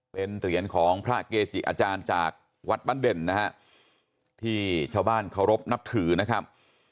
เป็นเหรียญของพระเกจิอาจารย์จากวัดบ้านเด่นนะฮะที่ชาวบ้านเคารพนับถือนะครับ